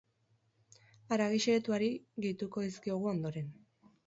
Haragi xehetuari gehituko dizkiogu ondoren.